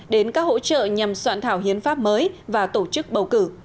đến các hỗ trợ nhằm soạn thảo hiến pháp mới và tổ chức bầu cử